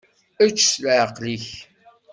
Ečč s leεqel-ik.